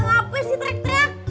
ngapain sih teriak teriak